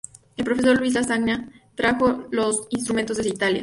El profesor Luis Lasagna trajo los instrumentos desde Italia.